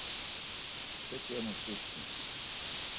Beki emus uçkin.